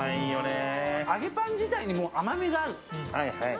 揚げパン自体に甘みがある。